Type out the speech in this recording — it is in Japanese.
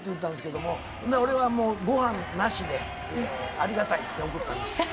ごはんなしで、ありがたいって送ったんです。